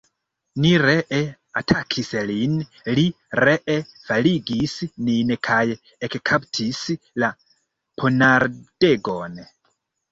Ni ree atakis lin, li ree faligis nin kaj ekkaptis la ponardegon.